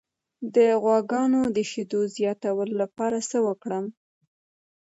د غواګانو د شیدو زیاتولو لپاره څه وکړم؟